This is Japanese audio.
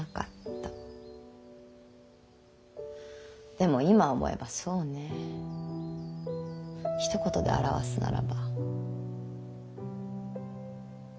でも今思えばそうねひと言で表すならばどうかしてました。